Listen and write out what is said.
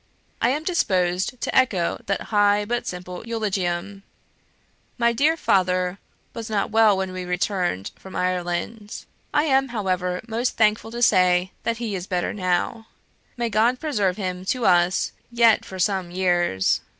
I am disposed to echo that high but simple eulogium. ... My dear father was not well when we returned from Ireland. I am, however, most thankful to say that he is better now. May God preserve him to us yet for some years!